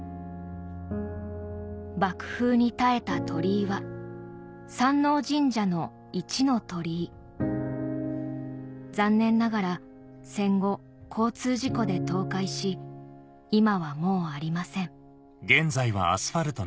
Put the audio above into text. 爆風に耐えた鳥居は残念ながら戦後交通事故で倒壊し今はもうありません